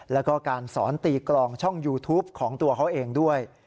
แล้วก็การสอนตีกลองช่องยูทูปของตัวเขาเองด้วย